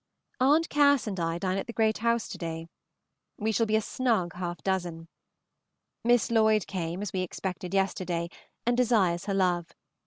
Aunt Cass. and I dine at the Great House to day. We shall be a snug half dozen. Miss Lloyd came, as we expected, yesterday, and desires her love.